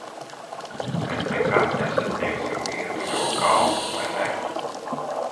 Mēs nekad nesasniegsim vientuļo kalnu, vai ne?